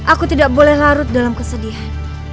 aku tidak boleh larut dalam kesedihan